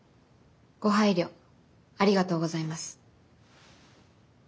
ご配慮ありがとうございます。